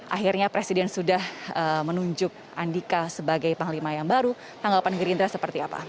akhirnya presiden sudah menunjuk andika sebagai panglima yang baru tanggapan gerindra seperti apa